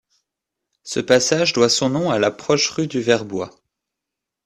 Ce passage doit son nom à la proche rue du Vertbois.